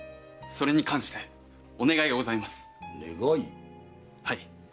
それに関してお願いがございます。